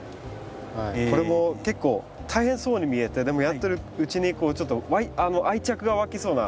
これも結構大変そうに見えてでもやってるうちにこうちょっと愛着がわきそうな感じがしますね。